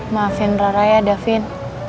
maafin rara ya davin